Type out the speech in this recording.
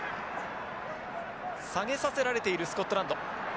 下げさせられているスコットランド。